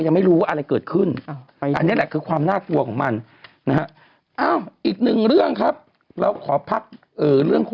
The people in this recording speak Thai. ๗๘๙ยังไม่รู้ว่าอะไรเกิดขึ้น